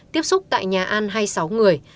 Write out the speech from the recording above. tiếp xúc tại nhà ăn hai mươi sáu người